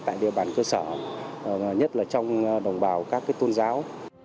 tại địa bàn cơ sở nhất là trong đồng bào các tôn giáo